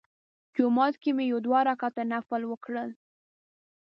جومات کې مې یو دوه رکعته نفل وکړل.